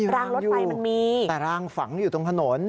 รางรถไฟมันมีแต่รางฝังอยู่ตรงถนน